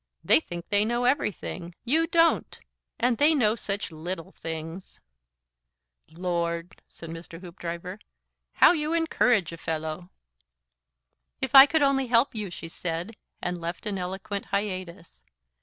They think they know everything. You don't. And they know such little things." "Lord!" said Mr. Hoopdriver. "How you encourage a fellow!" "If I could only help you," she said, and left an eloquent hiatus.